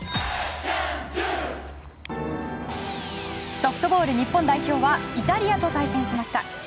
ソフトボール日本代表はイタリアと対戦しました。